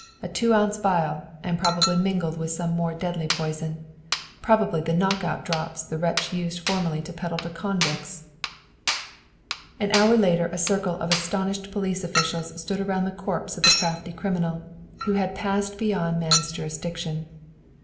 "A two ounce vial, and probably mingled with some more deadly poison! Probably the 'knock out drops' the wretch used formerly to peddle to convicts!" An hour later a circle of astonished police officials stood around the corpse of the crafty criminal who had passed beyond man's jurisdiction.